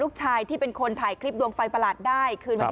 หญิงบอกว่าจะเป็นพี่ปวกหญิงบอกว่าจะเป็นพี่ปวก